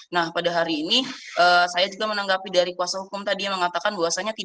nah pada hari ini saya juga menanggapi dari kuasa hukum tadi yang mengatakan bahwasannya